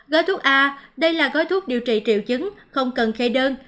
gói thuốc a đây là gói thuốc điều trị triệu chứng không cần khe đơn